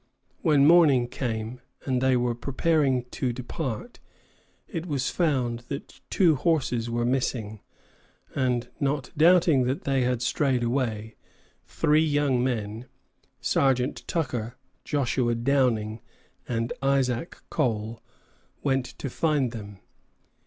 When morning came, and they were preparing to depart, it was found that two horses were missing; and not doubting that they had strayed away, three young men Sergeant Tucker, Joshua Downing, and Isaac Cole went to find them.